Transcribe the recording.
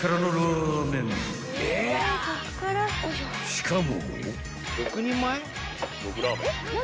［しかも］